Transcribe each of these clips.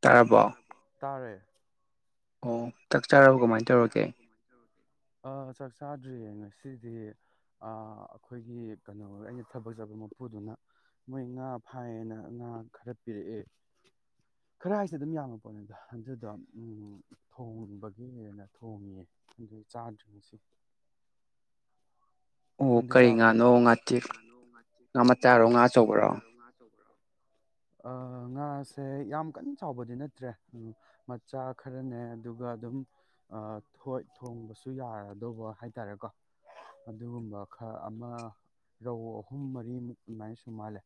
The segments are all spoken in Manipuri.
ꯇꯥꯔꯕꯣ ꯇꯥꯔꯦ ꯑꯣ ꯆꯥꯛꯆꯥꯔꯕ ꯀꯃꯥꯏꯅ ꯇꯧꯔꯒꯦ ꯁꯤꯗꯤ ꯑꯩꯈꯣꯏꯒꯤ ꯀꯩꯅꯣ ꯑꯩꯅ ꯊꯕꯛ ꯆꯠꯕ ꯃꯄꯨꯗꯨꯅ ꯃꯣꯏ ꯉꯥ ꯐꯥꯏꯌꯦꯅ ꯉꯥ ꯈꯔ ꯄꯤꯔꯛꯑꯦ ꯈꯔ ꯍꯥꯏꯁꯦ ꯑꯗꯨꯝ ꯌꯥꯝꯕ ꯄꯣꯠꯅꯤꯗ ꯑꯗꯨꯗ ꯊꯣꯡꯕ ꯍꯦꯦꯟꯅ ꯊꯣꯡꯉꯤꯑꯦ ꯑꯗꯨꯩ ꯆꯥꯗ꯭ꯔꯤꯉꯩꯁꯤ ꯑꯣ ꯅꯪꯗꯤ ꯀꯔꯤ ꯆꯥꯔꯕꯣ ꯉꯥꯅꯣ ꯀꯔꯤ ꯉꯥꯇꯦꯛ ꯉꯥꯅꯣ ꯉ ꯉꯥ ꯃꯆꯥꯔꯣ ꯉꯥ ꯑꯆꯧꯕꯔꯣ ꯉꯔꯣ ꯉꯥ ꯆꯧꯕ꯭ꯔꯣ ꯉꯥꯁꯦ ꯌꯥꯝ ꯀꯟꯅ ꯆꯥꯎꯕꯗꯤ ꯅꯠꯇ꯭ꯔꯦ ꯃꯆꯥ ꯈꯔꯅꯦ ꯑꯗꯨꯒ ꯑꯗꯨꯝ ꯊꯣꯡꯕꯁꯨ ꯌꯥꯔꯗꯧꯕ ꯍꯥꯏ ꯇꯔꯦꯀꯣ ꯑꯗꯨꯒꯨꯝꯕ ꯈꯔ ꯑꯃ ꯔꯧ ꯑꯍꯨꯝ ꯃꯔꯤꯃꯨꯛ ꯑꯗꯨꯃꯥꯏꯅ ꯁꯨ ꯃꯥꯜꯂꯦ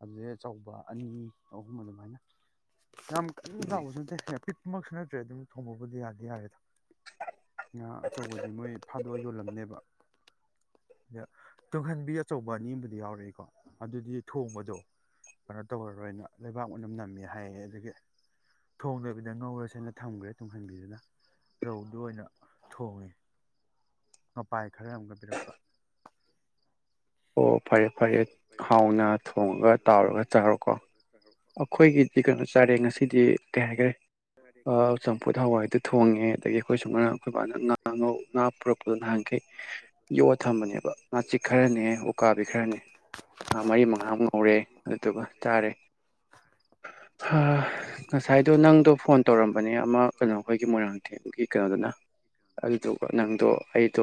ꯑꯗꯨꯗꯩ ꯑꯆꯧꯕ ꯑꯅꯤ ꯑꯍꯨꯝ ꯑꯗꯨꯃꯥꯏꯅ ꯌꯥꯝ ꯀ ꯎꯝ ꯑꯗꯨꯃꯛꯁꯨ ꯅꯠꯇ꯭ꯔꯦ ꯑꯗꯨꯝ ꯊꯣꯡꯕꯕꯨꯗꯤ ꯌꯥꯗꯤ ꯌꯥꯔꯦꯗ ꯉ ꯑꯆꯧꯕꯗꯤ ꯃꯣꯏ ꯐꯥꯗꯣꯛꯑ ꯌꯣꯜꯂꯝꯦ ꯅꯦꯕꯥꯛ ꯑꯗ ꯇꯨꯡꯍꯟꯕꯤ ꯑꯆꯧꯕ ꯑꯅꯤꯕꯨꯗꯤ ꯌꯥꯎꯔꯛꯏꯀꯣ ꯑꯗꯨꯗꯤ ꯊꯣꯡꯕꯗꯣ ꯀꯩꯅꯣ ꯇꯧꯔꯔꯣꯏꯅ ꯂꯩꯕꯥꯛ ꯃꯅꯝ ꯅꯝꯃꯦ ꯍꯥꯏꯌꯦ ꯑꯗꯒꯤ ꯊꯣꯡꯗꯣꯏꯕꯤꯗ ꯉꯧꯔꯁꯦꯅ ꯊꯝꯈ꯭ꯔꯦ ꯇꯨꯡꯍꯟꯕꯤꯗꯨꯅ ꯔꯧꯗꯨ ꯑꯣꯏꯅ ꯊꯣꯡꯉꯦ ꯑꯣꯄꯥꯏ ꯈꯔ ꯌꯥꯝꯒ ꯄꯕꯤꯔꯛꯄ ꯑꯣ ꯐꯔꯌꯦꯠ ꯐꯔꯦꯠ ꯍꯥꯎꯅ ꯊꯣꯡꯉꯒ ꯇꯥꯎꯔꯒ ꯆꯥꯔꯣꯀꯣ ꯑꯩꯈꯣꯏꯒꯤꯗꯤ ꯀꯩꯅꯣ ꯆꯥꯔꯦꯡ ꯉꯁꯤꯗꯤ ꯀꯩ ꯍꯥꯏꯈꯔꯦ ꯆꯝꯐꯨꯠ ꯍꯋꯥꯏꯗꯨ ꯊꯣꯡꯉꯦ ꯑꯗꯒꯤ ꯑꯩꯈꯣꯏ ꯁꯨꯃꯥꯏꯅ ꯑꯩꯈꯣꯏ ꯃꯥꯅ ꯉꯥ ꯉꯧ ꯉꯥ ꯄꯨꯔꯛꯄꯗꯣ ꯅꯍꯥꯟꯈꯩ ꯌꯣꯠ ꯊꯝꯕꯅꯦꯕ ꯉꯥꯆꯤꯛ ꯈꯔꯅꯦ ꯎꯀꯥꯕꯤ ꯈꯔꯅꯦ ꯃꯔꯤ ꯃꯉꯥꯃꯨꯛ ꯉꯧꯔꯦ ꯑꯗꯨꯗꯨꯒ ꯆꯥꯔꯦ ꯉꯁꯥꯏꯗꯣ ꯅꯪꯗꯣ ꯐꯣꯟ ꯇꯧꯔꯝꯕꯅꯦ ꯑꯃ ꯀꯩꯅꯣ ꯑꯩꯈꯣꯏꯒꯤ ꯃꯣꯏꯔꯥꯡꯊꯦꯝꯒꯤ ꯀꯩꯅꯣꯗꯨꯅ ꯑꯗꯨꯗꯨꯒ ꯅꯪꯗꯣ ꯑꯩꯗꯣ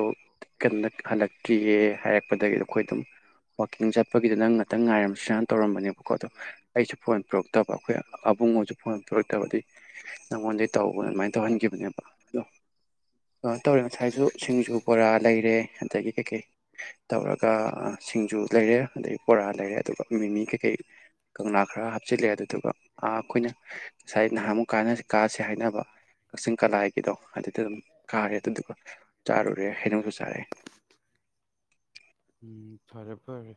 ꯀꯩꯅꯣ ꯍꯜꯂꯛꯇ꯭ꯔꯤꯌꯦ ꯍꯥꯏꯔꯛꯄꯗꯒꯤꯣ ꯑꯩꯈꯣꯏ ꯑꯗꯨꯝ ꯋꯥꯋꯥꯛꯀꯤꯡ ꯆꯠꯄꯒꯤꯗ ꯅꯪ ꯉꯥꯛꯇꯪ ꯉꯥꯏꯔꯝꯁꯤꯅ ꯇꯧꯔꯝꯕꯅꯦꯕꯀꯣ ꯑꯗꯣ ꯑꯩꯁꯨ ꯐꯣꯟ ꯄꯔꯛꯇꯕ ꯑꯩꯈꯣꯏ ꯑꯕꯨꯡꯉꯣꯁꯨ ꯐꯣꯟ ꯄꯔꯛꯇꯕꯗꯤ ꯅꯉꯣꯟꯗꯩ ꯇꯧꯕ ꯑꯗꯨꯃꯥꯏꯅ ꯇꯧꯍꯟꯈꯤꯕꯅꯦꯕ ꯑꯗꯣ ꯇꯧꯔꯦ ꯉꯁꯥꯏꯁꯨ ꯁꯤꯡꯖꯨ ꯕꯣꯔꯥ ꯂꯩꯔꯦ ꯑꯗꯒꯤ ꯀꯩꯀꯩ ꯇꯧꯔꯒ ꯁꯤꯡꯖꯨ ꯂꯩꯔꯦ ꯑꯗꯗꯒꯤ ꯕꯣꯔꯥ ꯂꯩꯔꯦ ꯑꯗꯨꯒ ꯃꯤꯃꯤ ꯀꯩꯀꯩ ꯀꯪꯂꯥ ꯈꯔ ꯍꯥꯞꯆꯤꯜꯂꯦ ꯑꯗꯨꯗꯨꯒꯥ ꯑꯩꯈꯣꯏꯅ ꯉꯁꯥꯏ ꯅꯍꯥꯟꯃꯨꯛ ꯀ ꯀꯥꯥꯁꯦ ꯍꯥꯏꯅꯕ ꯀꯛꯆꯤꯡ ꯀꯂꯥꯒꯤꯗꯣ ꯑꯗꯨꯗ ꯑꯗꯨꯝ ꯀꯥꯔꯦ ꯑꯗꯨꯗꯨꯒ ꯆꯥꯔꯨꯔꯦ ꯍꯩꯅꯁꯨ ꯆꯥꯔꯛꯑꯦ ꯎꯝ ꯐꯔꯦ ꯐꯔꯦ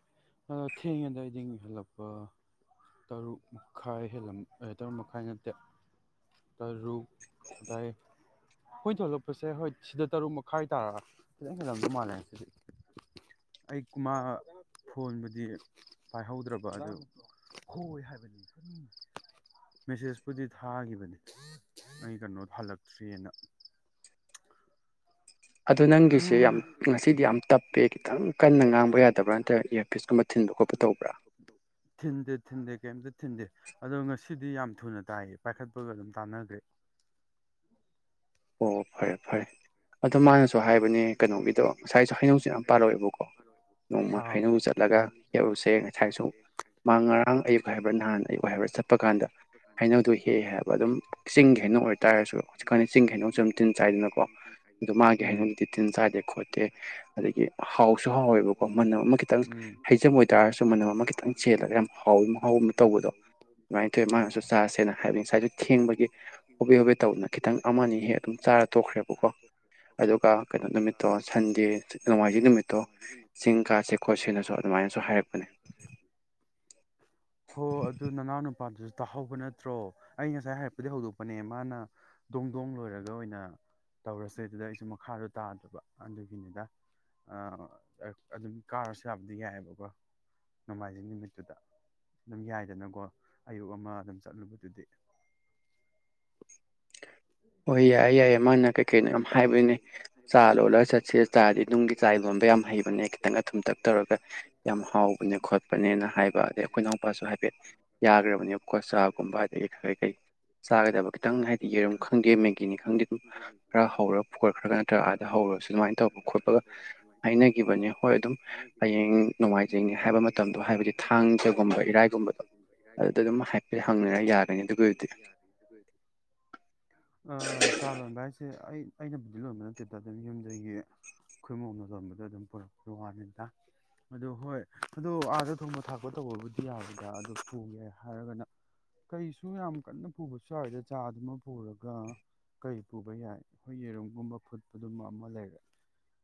ꯑꯗꯣ ꯊꯦꯡꯉꯗꯏꯗꯤꯡ ꯍꯦꯜꯂꯛꯄ ꯇꯔꯨꯛ ꯃꯈꯥꯏ ꯍ ꯇꯔꯨꯛ ꯃꯈꯥꯏ ꯅꯠꯇꯦ ꯇꯔꯨꯛ ꯑꯗꯥꯏ ꯍꯣꯏ ꯊꯣꯛꯂꯛꯄꯁꯦ ꯍꯣꯏ ꯁꯤꯗ ꯇꯔꯨꯛ ꯃꯈꯥꯏ ꯇꯥꯔ ꯐꯈꯤꯖꯪ ꯈꯖꯂꯝꯗ ꯃꯥꯜꯂꯦ ꯁꯤꯗꯤ ꯑꯩ ꯃꯥ ꯐꯣꯟꯕꯨꯗꯤ ꯄꯥꯏꯍꯧꯗ꯭ꯔꯕ ꯑꯗꯨ ꯍꯣꯏ ꯍꯥꯏꯕꯅꯤ ꯃꯦꯁꯦꯖꯄꯨꯗꯤ ꯊꯥꯈꯤꯕꯅꯤ ꯑꯩ ꯀꯩꯅꯣꯗ ꯍꯜꯂꯛꯇ꯭ꯔꯤꯦꯑꯅ [unintelligible] ꯑꯗꯣ ꯅꯪꯒꯤꯁꯦ ꯌꯥꯝ ꯉꯁꯤꯗꯤ ꯌꯥꯝ ꯇꯞꯄꯦ ꯈꯤꯇꯪ ꯀꯟꯅ ꯉꯥꯡꯕ ꯌꯥꯗꯕ꯭ꯔꯥ ꯅꯠꯇ꯭ꯔꯒ ꯏꯌꯥꯔꯄꯤꯁꯀꯨꯝꯕ ꯊꯤꯟꯕ ꯈꯣꯠꯄ ꯇꯧꯕ꯭ꯔꯥ ꯊꯤꯟꯗꯦ ꯊꯤꯟꯗꯦ ꯀꯩꯝꯇ ꯊꯤꯟꯗꯦ ꯑꯗꯣ ꯉꯁꯤꯗꯤ ꯌꯥꯝ ꯊꯨꯅ ꯇꯥꯏꯌꯦ ꯄꯥꯏꯈꯠꯄꯒ ꯑꯗꯨꯝ ꯇꯥꯟꯅꯈ꯭ꯔꯦ ꯑꯣ ꯐꯔꯦ ꯐꯔꯦ ꯑꯗꯨꯣ ꯃꯥꯅꯁꯨ ꯍꯥꯏꯕꯅꯦ ꯀꯩꯅꯣꯒꯤꯗꯣ ꯉꯁꯥꯏꯁꯨ ꯍꯩꯅꯧꯁꯨ ꯌꯥꯝ ꯄꯥꯜꯂꯛꯑꯦꯕꯀꯣ ꯅꯣꯡꯃ ꯑꯥ ꯍꯩꯅꯧ ꯆꯠꯂꯒ ꯍꯦꯛꯎꯁꯦ ꯉꯁꯥꯏꯁꯨ ꯃꯥꯡ ꯉꯔꯥꯡ ꯑꯌꯨꯛ ꯍꯥꯏꯕ꯭ꯔꯥ ꯅꯍꯥꯟ ꯑꯌꯨꯛ ꯍꯥꯏꯕ꯭ꯔꯥ ꯆꯠꯄ ꯀꯥꯟꯗ ꯍꯩꯅꯧꯗꯨꯣ ꯍꯦꯛꯦ ꯍꯥꯏꯕ ꯑꯗꯨꯝ ꯆꯤꯡꯒꯤ ꯍꯩꯅꯧ ꯑꯣꯏꯇꯥꯔꯁꯨ ꯍꯧꯖꯤꯛ ꯆꯤꯡ ꯀꯩꯅꯣꯁꯨ ꯑꯗꯨꯝ ꯇꯤꯟ ꯆꯥꯏꯗꯅꯀꯣ ꯑꯗꯨ ꯃꯥ ꯀꯩ ꯎꯝ ꯍꯥꯏꯅꯨꯡꯒꯤꯗꯤ ꯇꯤꯟ ꯆꯥꯗꯦ ꯈꯣꯠꯇꯦ ꯑꯗꯒꯤ ꯍꯥꯎꯁꯨ ꯍꯥꯎꯋꯦꯕꯀꯣ ꯃꯅꯝ ꯑꯃ ꯈꯤꯇꯪ ꯎꯝ ꯍꯩꯖꯝ ꯑꯣꯏꯇꯥꯔꯁꯨ ꯃꯅꯝ ꯑꯃ ꯈꯤꯇꯪ ꯆꯦꯜꯂꯒ ꯌꯥꯝ ꯍꯥꯎ ꯍꯥꯎ ꯑꯃ ꯇꯧꯕꯗꯣ ꯑꯗꯨꯃꯥꯏꯅ ꯇꯧꯋꯦ ꯃꯥꯅꯁꯨ ꯆꯥꯁꯦꯅ ꯍꯥꯏꯕꯅꯤ ꯉꯁꯥꯏꯗ ꯊꯦꯡꯕꯒꯤ ꯍꯣꯕꯦ ꯍꯣꯕꯦ ꯇꯧꯗꯅ ꯈꯤꯇꯪ ꯑꯃ ꯑꯅꯤ ꯍꯦꯛ ꯑꯗꯨꯝ ꯆꯥꯔ ꯇꯣꯛꯈ꯭ꯔꯦꯕꯀꯣ ꯑꯗꯨꯒ ꯀꯩꯅꯣ ꯅꯨꯃꯤꯠꯇꯣ ꯁꯟꯗꯦ ꯅꯣꯡꯃꯥꯏꯖꯤꯡ ꯅꯨꯃꯤꯠꯇꯣ ꯆꯤꯡ ꯀꯥꯁꯦ ꯈꯣꯠꯁꯦꯅꯁꯨ ꯑꯗꯨꯃꯥꯏꯅꯁꯨ ꯍꯥꯏꯔꯛꯄꯅꯦ ꯍꯣ ꯑꯗꯨ ꯅꯅꯥꯎ ꯅꯨꯄꯥꯜꯁꯨ ꯇꯥꯍꯧꯕ ꯅꯠꯇ꯭ꯔꯣ ꯑꯩ ꯉꯁꯥꯏ ꯍꯥꯏꯔꯛꯄꯗꯤ ꯍꯧꯗꯣꯛꯄꯅꯦ ꯃꯥꯅ ꯗꯣꯡ ꯗꯣꯡ ꯂꯣꯏꯔꯒ ꯑꯣꯏꯅ ꯇꯧꯔꯁꯦ ꯑꯗꯨꯗ ꯁ ꯃꯈꯥꯗꯣ ꯇꯥꯗꯕ ꯑꯗꯨꯒꯤꯅꯤꯗ ꯑꯗꯨꯝ ꯀꯥꯔꯁꯨ ꯌꯥꯕꯗꯤ ꯌꯥꯏꯑꯕꯀꯣ ꯅꯣꯡꯃꯥꯏꯖꯤꯡ ꯅꯨꯃꯤꯠꯇꯨꯗ ꯑꯗꯨꯝ ꯌꯥꯏꯗꯅꯀꯣ ꯑꯌꯨꯛ ꯑꯃ ꯑꯗꯨꯝ ꯆꯠꯂꯨꯕꯗꯨꯗꯤ ꯍꯣꯏ ꯌꯥꯏ ꯌꯥꯏꯌꯦ ꯃꯥꯅ ꯀꯩ ꯀꯩꯅꯣ ꯌꯥꯝ ꯍꯥꯏꯕꯗꯨꯅꯦ ꯆꯥ ꯂꯣꯜꯂꯒ ꯆꯠꯁꯦ ꯆꯥꯗꯤ ꯅꯨꯡꯒꯤ ꯆꯥꯛ ꯂꯣꯟꯕ ꯌꯥꯝ ꯍꯩꯕꯅꯦ ꯈꯤꯇꯪ ꯑꯊꯨꯝꯇꯛ ꯇꯧꯔꯒ ꯌꯥꯝ ꯍꯥꯎꯕꯅꯦ ꯈꯣꯠꯄꯅꯦꯅ ꯍꯥꯏꯕ ꯑꯗꯩ ꯑꯩꯈꯣꯏ ꯏꯅꯥꯎꯄꯥꯁꯨ ꯍꯥꯏꯐꯦꯠ ꯌꯥꯈ꯭ꯔꯕꯅꯦꯕꯀꯣ ꯆꯥꯒꯨꯝꯕ ꯑꯗꯒꯤ ꯀꯔꯤ ꯀꯩ ꯆꯥꯒꯗꯕ ꯈꯤꯇꯪ ꯍꯥꯏꯗꯤ ꯌꯦ ꯈꯪꯗꯦ ꯃꯦꯒꯤꯅꯤ ꯈꯪꯗꯦ ꯈꯖꯦꯟ ꯈꯔ ꯍꯧꯔ ꯄꯨꯈꯠꯈ꯭ꯔꯒ ꯅꯠꯇ꯭ꯔꯒ ꯑꯥꯗ ꯈꯣꯗ꯭ꯔ ꯍꯧꯔꯁꯨ ꯑꯗꯨꯃꯥꯏꯅ ꯇꯧꯕ ꯑꯥꯗ ꯈꯣꯠꯄꯒ ꯍꯧꯔ ꯁꯨꯃꯥꯏꯅ ꯇꯧ ꯈꯣꯠꯄꯒ ꯍꯥꯏꯅꯈꯤꯕꯅꯦ ꯍꯣꯏ ꯑꯗꯨꯝ ꯍꯥꯏꯅꯈꯤꯕꯅꯤ ꯍꯌꯦꯡ ꯍꯣꯏ ꯑꯗꯨ ꯅꯣꯡꯃꯥꯏꯖꯤꯡꯅꯤ ꯍꯥꯏꯕ ꯍꯌꯦꯡ ꯃꯇꯝꯗꯣ ꯍꯥꯏꯕꯗꯤ ꯅꯨꯡꯉꯥꯏꯖꯒꯦ ꯍꯥꯏꯕ ꯃꯇꯝꯗ ꯊꯥꯡꯖꯒꯨꯝꯕ ꯍꯥꯏꯗꯤ ꯏꯔꯥꯏꯒꯨꯝꯕꯗꯣ ꯊꯥꯡꯖꯒꯨꯝꯕ ꯑꯗꯨꯗ ꯏꯔꯥꯏꯒꯨꯝꯕ ꯑꯗꯨꯝ ꯍꯥꯏꯐꯦꯠ ꯑꯗꯨꯗ ꯍꯪꯅꯔ ꯑꯗꯨꯝ ꯌꯥꯒꯅꯤ ꯍꯥꯏꯐꯦ ꯍꯪ ꯑꯗꯨꯒꯤꯗꯤ ꯌꯥꯔꯅꯤ ꯑꯗꯨ ꯑ ꯆꯥ ꯂꯣꯟꯕ ꯍꯥꯏꯁꯦ ꯑꯩ ꯑꯩꯅꯕꯨꯗꯤ ꯂꯣꯟꯕ ꯅꯠꯇꯦꯗ ꯑꯗꯨꯝ ꯌꯨꯝꯗꯒꯤ ꯑꯩꯈꯣꯏꯃꯝꯅ ꯂꯣꯟꯕꯗꯣ ꯑꯗꯨꯝ ꯄꯨꯔꯛꯄꯒꯤ ꯋꯥꯅꯤꯗ ꯑꯗꯨꯗꯣ ꯍꯣꯏ ꯑꯗꯣ ꯑꯥꯗ ꯊꯣꯡꯕ ꯊꯥꯛꯄ ꯇꯧꯕꯕꯨꯗꯤ ꯌꯥꯗꯦꯗ ꯑꯗꯨ ꯄꯨꯒꯦ ꯍꯥꯏꯔꯒꯅ ꯀꯩꯁꯨ ꯌꯥꯝ ꯀꯟꯅ ꯄꯨꯕꯁꯨ ꯌꯥꯎꯋꯦꯗ ꯆꯥꯗꯨꯃ ꯄꯨꯔꯒ ꯀꯔꯤ ꯄꯨꯕ ꯌꯥꯏ ꯑꯩꯈꯣꯏ ꯌꯦꯔꯨꯝꯒꯨꯝꯕ ꯐꯨꯠꯄꯗꯨꯕ ꯑꯃ ꯂꯩꯔꯦ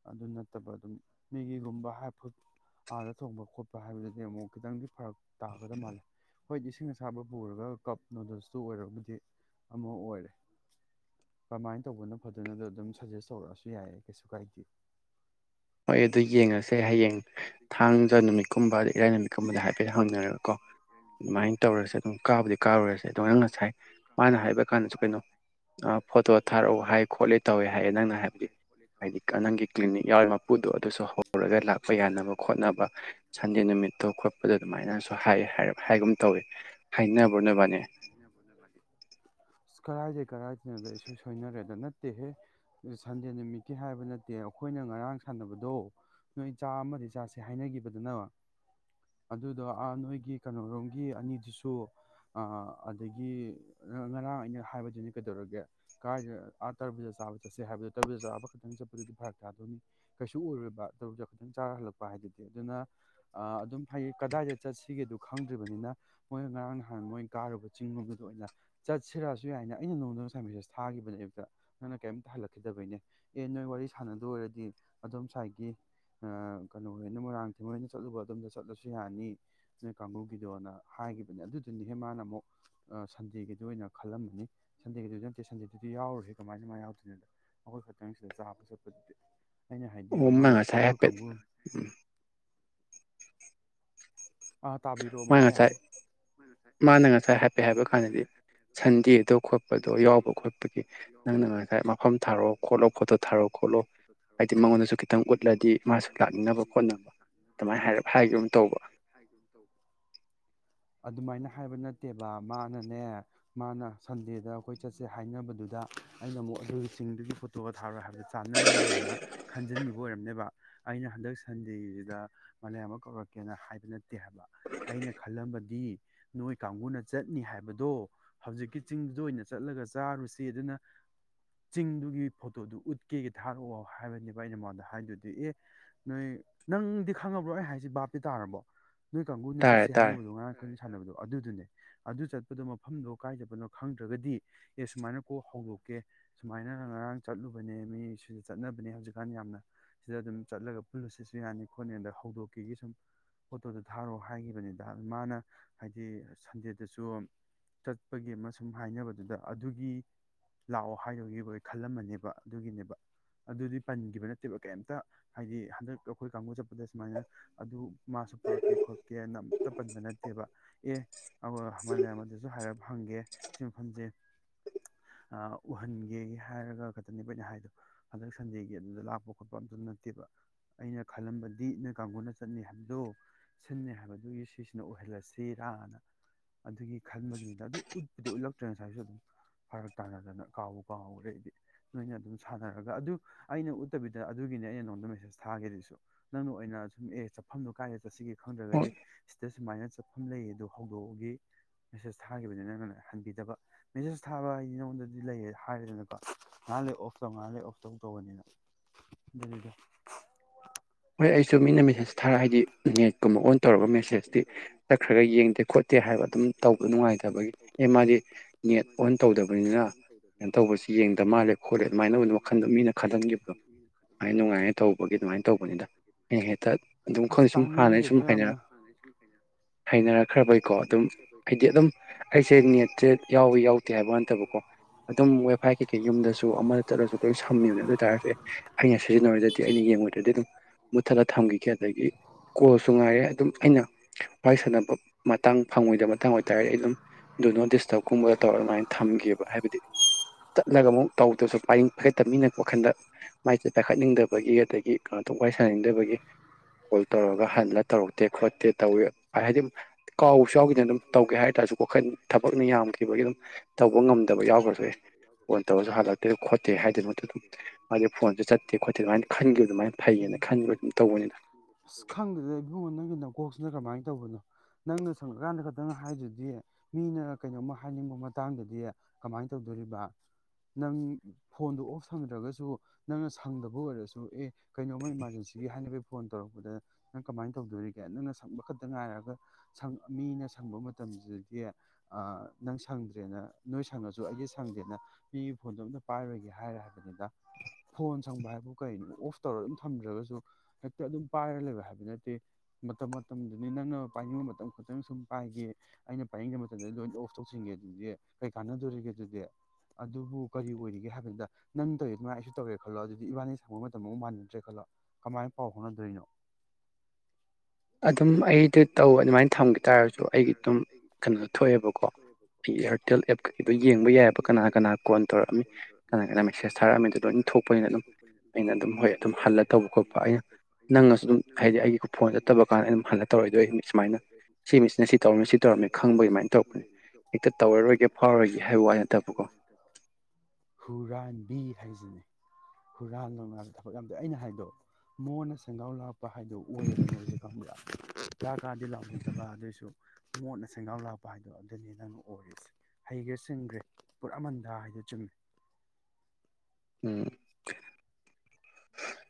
ꯑꯗꯨ ꯅꯠꯇꯕ ꯑꯗꯨꯝ ꯃꯤꯒꯤꯒꯨꯝꯕ ꯐꯨꯠ ꯑꯥꯗ ꯊꯣꯡꯕ ꯈꯣꯠꯄ ꯍꯥꯏꯕꯗꯨꯗꯤ ꯑꯃꯨꯛ ꯈꯤꯇꯪꯗꯤ ꯐꯔꯛ ꯇꯥꯒꯗ ꯃꯥꯜꯂꯦ ꯍꯣꯏꯗꯤ ꯏꯁꯤꯡ ꯑꯁꯥꯕ ꯄꯨꯔꯒ ꯀꯞ ꯅꯨꯗꯜꯁꯇꯨ ꯑꯣꯏꯔꯕꯨꯗꯤ ꯑꯃ ꯑꯣꯏꯔꯦ ꯀꯃꯥꯏꯅ ꯇꯧꯕꯅꯣ ꯐꯗꯣꯏꯅꯗꯣ ꯑꯗꯨꯝ ꯁꯖꯦꯁ ꯇꯧꯔꯛꯑꯁꯨ ꯌꯥꯏꯌꯦ ꯀꯩꯁꯨ ꯀꯥꯏꯗꯦ ꯍꯣꯏ ꯑꯗꯨ ꯌꯦꯡꯉꯁꯤꯦ ꯉꯦ ꯍꯌꯦꯡ ꯊꯥꯡꯖ ꯅꯨꯃꯤꯠꯀꯨꯝꯕ ꯑꯗꯩ ꯏꯔꯥꯏ ꯅꯨꯃꯤꯠꯀꯨꯝꯕꯗꯤ ꯍꯥꯏꯐꯦꯠ ꯍꯪꯅꯔꯒꯀꯣ ꯑꯗꯨꯃꯥꯏꯅ ꯇꯧꯔꯁꯦ ꯑꯗꯨꯝ ꯀꯥꯕꯨꯗꯤ ꯀꯥꯔꯨꯔꯁꯦ ꯑꯗꯣ ꯅꯪ ꯉꯁꯥꯏ ꯃꯥꯅ ꯍꯥꯏꯕ ꯀꯥꯟꯗꯁꯨ ꯀꯩꯅꯣ ꯐꯣꯇꯣ ꯊꯥꯔꯛꯎ ꯍꯥꯏ ꯈꯣꯠꯂꯦ ꯇꯧꯋꯦ ꯍꯥꯏꯌꯦꯦ ꯅꯪꯅ ꯍꯥꯏꯕꯗꯤ ꯍꯥꯏꯗꯤ ꯅꯪꯒꯤ ꯀ꯭ꯂꯤꯅꯤꯛ ꯌꯥꯎꯔꯤ ꯎꯨꯗꯣ ꯑꯗꯨꯁꯨ ꯍꯧꯔꯒ ꯂꯥꯛꯄ ꯌꯥꯏ ꯁꯅꯕ ꯈꯣꯠꯅꯕ ꯁꯟꯗꯦ ꯅꯨꯃꯤꯠꯇꯣ ꯈꯣꯠꯄꯗ ꯑꯗꯨꯃꯥꯏꯅꯁꯨ ꯍꯥꯏꯒꯨꯝ ꯇꯧꯋꯤ ꯍꯥꯏꯅꯕꯅꯕꯅꯤ ꯑꯁ ꯀꯔꯥꯏꯗ ꯀꯔꯥꯏꯗꯅꯣꯗ ꯑꯩꯁꯨ ꯁꯣꯏꯅꯔꯦ ꯑꯗ ꯅꯠꯇꯦꯍꯦ ꯁꯟꯗꯦ ꯅꯨꯃꯤꯠꯀꯤ ꯍꯥꯏꯕ ꯅꯠꯇꯦ ꯑꯩꯈꯣꯏꯅ ꯉꯔꯥꯡ ꯁꯥꯟꯅꯕꯗꯣ ꯅꯣꯏ ꯆꯥ ꯑꯃꯗꯤ ꯆꯥꯁꯦ ꯍꯥꯏꯅꯈꯤꯕꯗ ꯑꯗꯨꯗꯣ ꯑꯥ ꯅꯣꯏꯒꯤ ꯀꯩꯅꯔꯣꯝꯒꯤ ꯑꯅꯤꯗꯨꯁꯨ ꯑꯗꯒꯤ ꯉꯔꯥꯡ ꯑꯩꯅ ꯍꯥꯏꯕꯗꯨꯅꯦ ꯀꯩꯗꯧꯔꯒꯦ ꯀꯥꯏꯗ ꯑꯥ ꯇꯔꯕꯨꯗ ꯆꯥꯕ ꯆꯠꯁꯦ ꯍꯥꯏꯕꯗꯣ ꯇꯔꯨꯗ ꯆꯥꯕ ꯈꯛꯇꯪ ꯆꯠꯄꯗꯨꯗꯤ ꯐꯔꯛ ꯇꯥꯗꯣꯏꯅꯤ ꯀꯩꯁꯨ ꯑꯣꯏꯔꯣꯏꯕ ꯑꯗꯨꯝ ꯆꯥꯔ ꯍꯜꯂꯛꯄ ꯍꯥꯏꯗꯨꯗꯤ ꯑꯗꯨꯅ ꯑꯗꯨꯝ ꯍꯥꯏꯩꯌꯦ ꯀꯗꯥꯏꯗ ꯆꯠꯁꯤꯒꯦꯗ ꯈꯪꯗ꯭ꯔꯤꯕꯅꯤꯅ ꯃꯣꯏ ꯉꯔꯥꯡ ꯅꯍꯥꯟ ꯃꯣꯏ ꯀꯥꯔꯨꯕ ꯆꯤꯡꯒꯨꯝꯕꯗ ꯑꯣꯏꯅ ꯆꯠꯁꯤꯔꯛꯑꯁꯨ ꯌꯥꯏꯅ ꯑꯩꯅ ꯅꯣꯡꯗ ꯉꯁꯥꯏ ꯃꯦꯁꯦꯖ ꯊꯥꯒꯤꯈꯤꯕꯅꯦꯕꯗ ꯅꯪꯅ ꯀꯔꯤꯝꯇ ꯍꯜꯂꯛꯈꯤꯗꯕꯩꯅꯦ ꯑꯦ ꯅꯣꯏ ꯋꯥꯔꯤ ꯁꯥꯟꯅꯗ ꯑꯣꯏꯔꯗꯤ ꯑꯗꯣ ꯉꯁꯥꯏꯒꯤ ꯀꯩꯅꯣꯅ ꯃꯣꯏꯔꯥꯡ ꯊꯦꯝꯕꯣꯏꯅ ꯆꯠꯂꯨꯕ ꯑꯗꯨꯣꯝꯗ ꯆꯠꯂꯁꯨ ꯌꯥꯅꯤ ꯅꯣꯏ ꯀꯥꯡꯕꯨꯒꯤꯗꯣꯅ ꯍꯥꯏꯈꯤꯕꯅꯦ ꯑꯗꯨꯗꯨꯅꯤꯍꯦ ꯃꯥꯅ ꯑꯃꯨꯛ ꯁꯟꯗꯦꯒꯤꯗ ꯑꯣꯏꯅ ꯈꯜꯂꯝꯕꯅꯤ ꯁꯟꯗꯦꯒꯤꯗꯨ ꯅꯠꯇꯦ ꯁꯟꯗꯦꯗꯨꯗꯤ ꯌꯥꯎꯔꯨꯍꯦ ꯀꯃꯥꯏꯅ ꯃꯥꯥꯏ ꯌꯥꯎꯗꯣꯏꯅꯣꯗ ꯑꯩꯈꯣꯏ ꯈꯛꯇꯪꯁꯤꯗ ꯆꯥꯕ ꯆꯠꯄꯗꯨꯗꯤ ꯑꯩꯅ ꯍꯥꯏꯗꯤ ꯑꯃ ꯀꯥꯡꯕꯨ ꯎꯝ ꯑꯥ ꯇꯥꯕꯤꯔꯛꯑꯣ ꯃꯥ ꯃꯈꯥ ꯉꯁꯥꯏ ꯌꯥꯅꯤ ꯃꯥꯅ ꯉꯁꯥꯏ ꯍꯥꯏꯐꯦꯠ ꯍꯥꯏꯕ ꯀꯥꯟꯗꯗꯤ ꯁꯟꯗꯦꯗꯣ ꯈꯣꯠꯄꯗꯣ ꯌꯥꯎꯕ ꯈꯣꯠꯄꯒꯤ ꯅꯪꯅ ꯉꯁꯥꯏ ꯃꯐꯝ ꯊꯥꯔꯣ ꯈꯣꯠꯂꯣ ꯐꯣꯇꯣ ꯊꯥꯔꯣ ꯈꯣꯠꯂꯣ ꯍꯥꯏꯗꯤ ꯃꯉꯣꯟꯗꯁꯨ ꯈꯤꯇꯪ ꯎꯠꯂꯗꯤ ꯃꯥꯁꯨ ꯂꯥꯛꯅꯤꯡꯅꯕ ꯈꯣꯠꯅꯕ ꯑꯗꯨꯃꯥꯏꯅ ꯍꯥꯏꯔꯞ ꯍꯥꯏꯈꯤꯒꯨꯝ ꯇꯧꯕ ꯑꯗꯨꯃꯥꯏꯅ ꯍꯥꯏꯕ ꯅꯠꯇꯦꯕ ꯃꯥꯅꯅꯦ ꯃꯥꯅ ꯁꯟꯗꯦꯗ ꯑꯩꯈꯣꯏ ꯆꯠꯁꯦ ꯍꯥꯏꯅꯕꯗꯨꯗ ꯑꯩꯅ ꯑꯃꯨꯛ ꯑꯩꯍꯣꯏꯁꯤꯡꯗꯨꯒꯤ ꯐꯣꯇꯣꯒ ꯊꯥꯔ‌ꯣ ꯍꯥꯏꯕ ꯆꯥꯟꯅꯔꯦꯅ ꯈꯟꯖꯤꯟ ꯑꯣꯏꯔꯝꯅꯦꯕ ꯑꯩꯅ ꯍꯟꯗꯛ ꯁꯟꯗꯦꯁꯤꯗ ꯃꯥꯂ‌ꯦꯝꯉꯥꯟꯕ ꯀꯧꯔꯛꯀꯦꯅ ꯍꯥꯏ ꯕ ꯅꯠꯇꯦ ꯍꯥꯏꯕ ꯑꯩꯅ ꯈꯜꯂꯝꯕꯗꯤ ꯅꯣꯏ ꯀꯥꯡꯕꯨꯅ ꯆꯠꯅꯤ ꯍꯥꯏꯕꯗꯣ ꯍꯧꯖꯤꯛꯀꯤ ꯆꯤꯡꯗꯨꯗ ꯑꯣꯏꯅ ꯆꯠꯂꯒ ꯆꯥꯔꯨꯁꯤ ꯑꯗꯨꯅ ꯆꯤꯡꯗꯨꯒꯤ ꯐꯣꯇꯣꯗꯨ ꯎꯠꯀꯦꯒ ꯊꯥꯔꯛꯑꯣ ꯍꯥꯏꯕꯅꯦꯕ ꯑꯩꯅ ꯃꯉꯣꯟꯗ ꯍꯥꯏꯗꯨꯗꯤ ꯑꯦ ꯅꯣꯏ ꯅꯪꯗꯤ ꯈꯪꯉꯕ꯭ꯔꯣ ꯑꯩꯅ ꯍꯥꯏꯁꯤ ꯕꯥꯞꯇꯤ ꯇꯥꯔꯕꯣ ꯅꯣꯏ ꯀꯥꯡꯒꯨꯅ ꯇꯥꯔꯦ ꯆꯠꯁꯦ ꯇꯥꯔꯦ ꯍꯥꯏꯅꯕꯗꯣ ꯉꯔꯥꯡ ꯈꯣꯏꯅ ꯁꯥꯟꯅꯕꯗꯣ ꯑꯗꯨꯗꯨꯅꯦ ꯑꯗꯨ ꯆꯠꯄꯗꯣ ꯃꯐꯝꯗꯣ ꯀꯥꯏꯗꯕꯅꯣ ꯈꯪꯗ꯭ꯔꯒꯗꯤ ꯑꯦ ꯁꯨꯃꯥꯏꯅ ꯀꯣ ꯍꯧꯗꯣꯛꯀꯦ ꯁꯨꯃꯥꯏꯅ ꯉꯔꯥꯡ ꯆꯠꯂꯨꯕꯅꯦ ꯃꯤ ꯁꯤꯗ ꯆꯠꯅꯕꯅꯦ ꯍꯧꯖꯤꯛꯀꯥꯟ ꯌꯥꯝꯅ ꯁꯤꯗ ꯑꯗꯨꯝ ꯆꯠꯂꯒ ꯄꯨꯜꯂꯨꯁꯤꯁꯨ ꯌꯥꯅꯤ ꯈꯣꯠꯅꯤ ꯑꯗ ꯍꯧꯗꯣꯛꯀ‌ꯦꯒꯤ ꯁꯨꯝ ꯐ‌ꯣꯇꯣꯗ ꯊꯥꯔꯣ ꯍꯥꯏꯈꯤꯕꯅꯤꯗ ꯃꯥꯅ ꯍꯥꯏꯗꯤ ꯁꯟꯗꯦꯗꯁꯨ ꯆꯠꯄꯒꯤ ꯑꯃ ꯁꯨꯝ ꯍꯥꯏꯅꯕꯗꯨꯗ ꯑꯗꯨꯒꯤ ꯂꯥꯛꯑꯣ ꯍꯥꯏꯈꯤꯕꯒꯤ ꯈꯜꯂꯝꯃꯅꯦꯕ ꯑꯗꯨꯒꯤꯅꯦꯕ ꯑꯗꯨꯗꯤ ꯄꯟꯈꯤꯕ ꯅꯠꯇꯦꯕ ꯀꯩꯝꯇ ꯍꯥꯏꯗꯤ ꯍꯟꯗꯛ ꯑꯩꯈꯣꯏ ꯀꯥꯡꯕꯨ ꯆꯠꯄꯗ ꯁꯨꯃꯥꯏꯅ ꯑꯗꯨ ꯃꯥꯁꯨ ꯄꯨꯔꯛꯀꯦ ꯈꯣꯠꯀꯦꯅ ꯑꯝꯇ ꯄꯟꯕ ꯅꯠꯇꯦꯕ ꯑꯦ ꯑꯗꯨꯒ ꯃꯥꯂ‌ꯦꯝꯉꯥꯟꯕꯗꯨꯁꯨ ꯍꯥꯏꯔꯞ ꯍꯪꯒꯦ ꯁꯤ ꯃꯐꯝꯁꯦ ꯎꯍꯟꯒꯦ ꯍꯥꯏꯔꯒ ꯈꯛꯇꯅꯦꯕ ꯑꯩꯅ ꯍꯥꯏꯗꯣ ꯍꯟꯗꯛ ꯁꯟꯗꯦꯒꯤ ꯑꯗꯨꯗ ꯂꯥꯛꯄ ꯈꯣꯠꯄ ꯑꯝꯇ ꯅꯠꯇꯦꯕ ꯑꯩꯅ ꯈꯜꯂꯝꯕꯗꯤ ꯅꯣꯏ ꯀꯥꯡꯒꯨꯅ ꯆꯠꯅꯤ ꯑꯗꯣ ꯁꯤꯟꯅꯤ ꯍꯥꯏꯕꯗꯨꯒꯤ ꯁꯤꯁꯤꯅ ꯑꯣꯏꯍꯜꯂꯁꯤꯔꯥꯅ ꯑꯗꯨꯒꯤ ꯈꯟꯕꯒꯤꯅꯤꯗ ꯑꯗꯨ ꯎꯠꯄꯗꯤ ꯎꯠꯂꯛ ꯇ꯭ꯔꯦ ꯉꯁꯥꯏꯁꯨ ꯑꯗꯨꯝ ꯐꯔꯛ ꯇꯥꯅꯗꯅ ꯀꯥꯎꯕꯨ ꯀꯥꯎꯔꯨꯔ‌ꯦ ꯑꯩꯗꯤ ꯅꯣꯏꯅ ꯑꯗꯨꯝ ꯁꯥꯟꯅꯔꯒ ꯑꯗꯨ ꯑꯩꯅ ꯎꯠꯇꯕꯤꯗ ꯑꯗꯨꯒꯤꯅꯤ ꯑꯩꯅ ꯅꯉꯣꯟꯗ ꯃꯦꯁꯦꯁ ꯊꯥꯒꯔꯤꯗꯨꯁꯨ ꯅꯪꯅ ꯑꯣꯏꯅ ꯁꯨꯝ ꯑꯦ ꯆꯄ ꯃꯐꯝꯗ‌ꯣ ꯀꯥꯏꯗ ꯆꯠꯁꯤꯒꯤ ꯍꯣꯏ ꯈꯪꯗ꯭ꯔꯒꯗꯤ ꯁꯤꯗ ꯁꯨꯃꯥꯏꯅ ꯆꯠꯄ ꯂꯩ ꯑꯗꯨ ꯍꯧꯗꯣꯛꯑꯒꯤ ꯃꯦꯁꯦꯁ ꯊꯥꯈꯤꯕꯅꯤ ꯅꯪꯅ ꯍꯟꯕꯤꯗꯕ ꯃꯦꯁꯦꯖ ꯊꯥꯕ ꯍꯥꯏꯗꯤ ꯅꯉꯣꯟꯗꯗꯤ ꯂꯩ ꯍꯥꯏꯔꯦꯗꯅꯀꯣ ꯉꯥꯏꯍꯥꯛ ꯂꯩ ꯑꯣꯐ ꯇꯧ ꯉꯥꯏꯍꯥꯛ ꯂꯩ ꯑꯣꯐ ꯇꯧ ꯇꯧꯕꯅꯤꯅ ꯑꯗꯨꯅꯤꯗ ꯍꯣꯏ ꯑꯩꯁꯨ ꯃꯤꯅ ꯃꯦꯁꯦꯖ ꯊꯥꯔ ꯍꯥꯏꯗꯤ ꯅꯦꯠꯀꯨꯝꯕ ꯑꯣꯟ ꯇꯧꯔꯒ ꯃꯦꯁꯦꯁꯇꯤ ꯆꯠꯈ꯭ꯔꯒ ꯌꯦꯡꯗꯦ ꯈꯣꯠꯇꯦ ꯍꯥꯏꯕ ꯑꯗꯨꯝ ꯇꯧꯕ ꯅꯨꯡꯉꯥꯏꯇꯕꯒꯤ ꯑꯦ ꯃꯥꯗꯤ ꯅꯦꯠ ꯑꯣꯟ ꯇꯧꯗꯕꯅꯤꯅ ꯀꯩꯅꯣ ꯇꯧꯕꯁꯤ ꯌꯦꯡꯗ ꯃꯥꯜꯂꯦ ꯈꯣꯠꯂꯦ ꯑꯗꯨꯃꯥꯏꯅ ꯇꯧꯕꯗ ꯋꯥꯈꯟꯗꯣ ꯃꯤꯅ ꯈꯜꯍꯟꯈꯤꯕꯗꯣ ꯑꯗꯨꯃꯥꯏꯅ ꯅꯨꯡꯉꯥꯏꯅ ꯇꯧꯕꯒꯤ ꯑꯗꯨꯃꯥꯏꯅ ꯇꯧꯕꯅꯤꯗ ꯑꯩꯅ ꯍꯦꯛꯇ ꯑꯗꯨꯝ ꯑꯁ ꯈ‌ꯣꯏ ꯁꯨꯝ ꯍꯥꯟꯅ ꯑꯩ ꯇꯥꯅꯤꯡꯗꯦꯗ ꯁꯨꯝ ꯌꯥꯝꯅ ꯍꯩꯅꯔꯛꯈ꯭ꯔꯕꯩꯀꯣ ꯑꯗꯨꯝ ꯍꯥꯏꯗꯤ ꯑꯗꯨꯝ ꯑꯩꯁꯦ ꯅꯦꯠꯁꯦ ꯌꯥꯎꯋꯤ ꯌꯥꯎꯗꯦ ꯍꯥꯏꯕ ꯋꯥ ꯅꯠꯇꯕꯀꯣ ꯑꯗꯨꯝ ꯋꯥꯏꯐꯥꯏ ꯀꯩꯀꯩ ꯌꯨꯝꯗꯁꯨ ꯑꯃꯗ ꯆꯠꯂꯁꯨ ꯂꯣꯏ ꯁꯝꯃꯤꯕꯅꯦ ꯑꯗꯨ ꯑꯣꯏ ꯇꯥꯔꯁꯨ ꯑꯦ ꯑꯩꯅ ꯁꯤꯖꯤꯟꯅꯔ‌ꯣꯏꯗ꯭ꯔꯗꯤ ꯑꯩꯅ ꯌꯦꯡꯉꯣꯏꯗ꯭ꯔꯗꯤ ꯑꯗꯨꯝ ꯃꯨꯊꯠꯂ ꯊꯝꯈꯤꯒ‌ꯦ ꯑꯗꯨꯒ ꯀꯣꯜꯁꯨ ꯉꯥꯏꯔꯦ ꯑꯗꯨꯝ ꯑꯩꯅ ꯋꯥꯔꯤ ꯁꯥꯟꯅꯕ ꯃꯇꯥꯡ ꯐꯪꯉꯣꯏꯗꯕ ꯃꯇꯥꯡ ꯑꯣꯏꯇꯥꯔꯦꯗꯤ ꯑꯩ ꯑꯗꯨꯝ ꯗꯨꯅꯣ ꯗꯤꯁꯇꯔꯕ ꯀꯨꯝꯕꯗ ꯇꯧꯔꯒ ꯑꯗꯨꯃꯥꯏꯅ ꯊꯝꯒꯤꯕ ꯍꯥꯏꯕꯗꯤ ꯆꯠꯂꯒ ꯑꯃꯨꯛ ꯇꯧꯗꯁꯨ ꯄꯥꯏꯅꯤꯡ ꯄꯥꯏꯈꯠꯇꯕꯅꯤꯅ ꯋꯥꯈꯟꯗ ꯃꯥꯏꯁꯦ ꯄꯥꯏꯈꯠꯅꯤꯡꯗꯕꯒꯤ ꯑꯗꯒꯤ ꯀꯩꯅꯣ ꯇꯧ ꯋꯥꯔꯤ ꯁꯥꯅꯅꯤꯡꯗꯕꯒꯤ ꯀꯣꯜ ꯇꯧꯔꯒ ꯍꯟꯂ ꯇꯧꯔꯛꯇꯦ ꯈꯣꯠꯇꯦ ꯇꯧꯋꯤ ꯍꯥꯏꯗꯤ ꯀꯥꯎꯕꯁꯨ ꯌꯥꯎꯈꯤꯗꯅ ꯑꯗꯨꯝ ꯇꯧꯒꯦ ꯍꯥꯏ ꯇꯥꯔꯁꯨ ꯀꯣꯈꯜ ꯊꯕꯛꯅ ꯌꯥꯝꯈꯤꯕꯒꯤ ꯑꯗꯨꯝ ꯇꯧꯕ ꯉꯝꯗꯕ ꯌꯥꯎꯈ꯭ꯔꯁꯨ ꯑꯦ ꯑꯣꯟ ꯇꯧꯔꯁꯨ ꯍꯜꯂꯛꯇꯦ ꯈꯣꯠꯇꯦ ꯍꯥꯏꯗꯨꯏ ꯃꯍꯨꯠꯇ ꯑꯗꯨꯝ ꯃꯥꯗꯤ ꯐꯣꯟꯁ‌ꯦ ꯆꯠꯇꯦ ꯈꯣꯠꯇꯦ ꯑꯗꯨꯃꯥꯏꯅ ꯈꯟꯈꯤ ꯑꯗꯨꯃꯥꯏꯅ ꯐꯩꯌꯦꯅ ꯈꯟꯈꯤꯕ ꯑꯗꯨꯝ ꯇꯧꯕꯅꯤꯅ ꯑꯁ ꯈꯪꯗ‌ꯦꯗ ꯏꯕꯨꯡꯉ‌ꯣ ꯅꯪꯅ ꯅꯀꯣꯛꯁꯤꯅ ꯀꯃꯥꯏꯅ ꯇꯧꯕꯅꯣ ꯅꯪꯅ ꯁꯪꯉꯀꯥꯟꯗ ꯈꯇꯪ ꯍꯥꯏꯗꯨꯗꯤ ꯃꯤꯅ ꯀꯩꯅꯣꯝꯃ ꯍꯥꯏꯅꯤꯡꯕ ꯃꯇꯥꯡꯗꯗꯤ ꯀꯃꯥꯏꯅ ꯇꯧꯗꯣꯔꯤꯕ ꯅꯪ ꯐꯣꯟꯗꯣ ꯑꯣꯐ ꯊꯝꯗ꯭ꯔꯒꯁꯨ ꯅꯪꯅ ꯁꯪꯗꯕ ꯑꯣꯏꯔꯁꯨ ꯑꯦ ꯀꯩꯅꯣꯝꯃ ꯏꯃꯥꯔꯖꯦꯟꯁꯤꯒꯤ ꯍꯥꯏꯅꯕꯒꯤ ꯐꯣꯟ ꯇꯧꯔꯛꯄꯗ ꯅꯪ ꯀꯃꯥꯏꯅ ꯇꯧꯗꯣꯔꯤꯒꯦ ꯅꯪꯅ ꯁꯪꯕ ꯈꯛꯇ ꯉꯥꯏꯔꯒ ꯃꯤꯅ ꯁꯪꯕ ꯃꯇꯝꯁꯤꯗꯗꯤ ꯅꯪ ꯁꯪꯗ꯭ꯔꯦꯅ ꯅꯣꯏ ꯁꯪꯉꯁꯨ ꯑꯩꯁ‌ꯦ ꯁꯪꯗꯦꯅ ꯃꯤꯒꯤ ꯐꯣꯟꯗꯣ ꯑꯝꯇ ꯄꯥꯏꯔꯣꯏꯒꯦ ꯍꯥꯏꯔꯦ ꯍꯥꯏꯕꯅꯤꯅ ꯐꯣꯟ ꯁꯪꯕ ꯍꯥꯏꯕꯨ ꯀꯩꯅꯣ ꯑꯣꯐ ꯇꯧꯔ ꯑꯗꯨꯝ ꯊꯝꯗ꯭ꯔꯒꯁꯨ ꯍꯦꯛꯇ ꯑꯗꯨꯝ ꯄꯥꯏꯔ ꯂꯩꯕ ꯍꯥꯏꯕ ꯅꯠꯇꯦ ꯃꯇꯝ ꯃꯇꯝ ꯑꯗꯨꯗꯤ ꯅꯪꯅ ꯄꯥꯏꯅꯤꯡꯕ ꯃꯇꯝ ꯈꯛꯇꯪ ꯁꯨꯝ ꯄꯥꯏꯒ‌ꯦ ꯑꯩꯅ ꯄꯥꯏꯅꯤꯡꯗꯕ ꯃꯇꯝꯗ ꯂꯣꯏꯅ ꯑꯣꯐ ꯇꯧꯁꯤꯟꯒꯦ ꯑꯗꯨꯗꯤ ꯀꯩ ꯀꯥꯟꯅꯗꯣꯔꯤꯒꯦ ꯑꯗꯨꯗꯤ ꯑꯗꯨꯕꯨ ꯀꯔꯤ ꯑꯣꯏꯔꯤꯒꯦ ꯍꯥꯏꯕꯅꯤꯗ ꯅꯪ ꯇꯧꯔꯤ ꯑꯗꯨꯃꯥꯏ ꯑꯩꯁꯨ ꯇꯧꯔꯦ ꯈꯜꯂꯣ ꯑꯗꯨꯗꯤ ꯏꯕꯥꯅꯤ ꯁꯥꯡꯕ ꯃꯇꯝ ꯑꯃꯨꯛ ꯃꯥꯟꯅꯗ꯭ꯔꯦ ꯈꯜꯂꯣ ꯀꯃꯥꯏꯅ ꯄꯥꯎ ꯐꯥꯎꯅꯗꯣꯏꯅꯣ ꯑꯗꯨ ꯑꯗꯨꯝ ꯑꯩꯗꯤ ꯇꯧ ꯑꯗꯨꯃꯥꯏꯅ ꯊꯝꯈꯤ ꯇꯥꯔꯒꯁꯨ ꯑꯩꯒꯤ ꯑꯗꯨꯝ ꯀꯩꯅꯣꯗꯣ ꯊꯣꯛꯑꯦꯕꯀꯣ ꯏꯌꯥꯔꯇꯦꯜ ꯑꯦꯞꯀꯩꯗꯣ ꯌꯦꯡꯕ ꯌꯥꯏꯑꯕ ꯀꯅꯥ ꯀꯅꯥ ꯀꯣꯜ ꯇꯧꯔꯛꯑꯝꯃꯤ ꯀꯅꯥ ꯀꯅꯥ ꯃꯦꯁꯦꯁ ꯊꯥꯔꯛꯑꯃꯤꯗ ꯂꯣꯏ ꯊꯣꯛꯄꯅꯤꯅ ꯑꯗꯨꯝ ꯑꯩꯅ ꯑꯗꯨꯝ ꯍꯣꯏ ꯑꯗꯨꯝ ꯍꯜꯂ ꯇꯧꯕ ꯈꯣꯠꯄ ꯑꯩꯅ ꯅꯪꯅꯁꯨ ꯑꯗꯨꯝ ꯍꯥꯏꯗꯤ ꯑꯩꯒꯤ ꯐꯣꯟꯗ ꯍꯜꯂ ꯑꯗꯨ ꯁꯨꯃꯥꯏꯅ ꯁꯤ ꯃꯤꯁꯤꯅ ꯁꯤ ꯇꯧꯔꯝꯃꯤ ꯁꯤ ꯇꯧꯔꯝꯃꯤ ꯈꯪꯕꯒꯤ ꯑꯗꯨꯃꯥꯏꯅ ꯇꯧꯔꯛꯄꯅꯤ ꯍꯦꯛꯇ ꯇꯧꯔꯔꯣꯏꯒꯦ ꯐꯥꯎꯔꯔꯣꯏꯒꯦ ꯍꯥꯏꯕꯩ ꯋꯥꯗꯤ ꯅꯠꯇꯕꯀꯣ ꯍꯨꯔꯥꯟꯕꯤ ꯍꯥꯏꯁꯤꯅꯦ ꯍꯨꯔꯥꯟ ꯅꯧꯅꯥꯗ ꯊꯕꯛ ꯌꯥꯝ ꯇꯧꯋ‌ꯦ ꯑꯩꯅ ꯍꯥꯏꯗꯣ ꯃ‌ꯣꯟꯅ ꯁꯦꯡꯒꯥꯎ ꯂꯥꯛꯄ ꯍꯥꯏꯗꯣ ꯑꯣꯏꯌꯦꯕ ꯅꯣꯏꯁꯦ ꯈꯪꯕ꯭ꯔꯥ ꯀꯥ ꯀꯥꯗꯤ ꯂꯥꯎꯖꯗꯕ ꯑꯗꯨꯑꯣꯏꯁꯨ ꯃꯣꯟꯅ ꯁꯦꯡꯒꯥꯎ ꯂꯥꯛꯄ ꯍꯥꯏꯗꯣ ꯑꯗꯨꯅꯤ ꯅꯪ ꯑꯣꯏꯔꯤꯁꯦ ꯍꯩꯈ꯭ꯔꯦ ꯆꯤꯡꯈ꯭ꯔꯦ ꯄꯨꯔꯥ ꯃꯟꯗꯥ ꯍꯥꯏꯗ‌ꯣ ꯆꯨꯝꯃꯦ ꯎꯝ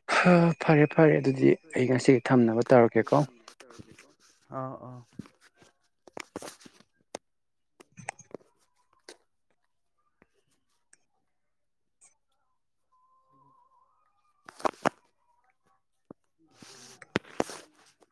ꯍ ꯐ ꯐꯔꯦ ꯐꯔꯦ ꯑꯗꯨꯗꯤ ꯑꯩꯩ ꯇꯧꯔꯒꯦꯀꯣ ꯊꯝꯅꯕ ꯇꯧꯔꯒ‌ꯦꯀꯣ ꯑꯥꯎ ꯑꯥ [inaudible]